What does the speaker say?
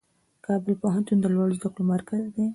کابل پوهنتون د لوړو زده کړو مرکز دی.